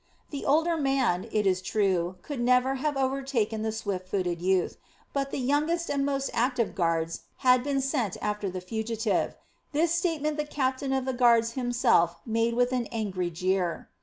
The older man, it is true, could never have overtaken the swift footed youth, but the youngest and most active guards had been sent after the fugitive. This statement the captain of the guards himself made with an angry jeer.